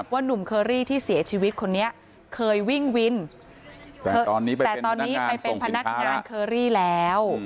หนุ่มเคอรี่ที่เสียชีวิตคนนี้เคยวิ่งวินแต่ตอนนี้ไปเป็นพนักงานเคอรี่แล้ว